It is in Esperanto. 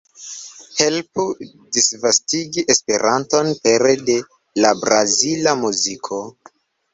Helpu disvastigi Esperanton pere de la brazila muziko!